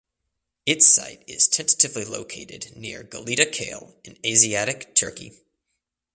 Its site is tentatively located near Gelida Kale in Asiatic Turkey.